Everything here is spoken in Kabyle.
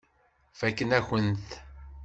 Fakken-akent-t.